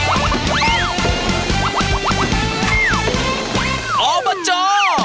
เวลาที่ทำไปคือ